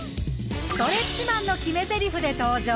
ストレッチマンの決めゼリフで登場。